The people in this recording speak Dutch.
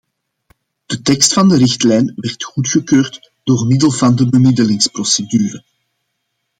De tekst van de richtlijn werd goedgekeurd door middel van de bemiddelingsprocedure.